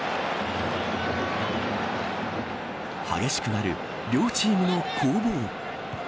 激しくなる両チームの攻防。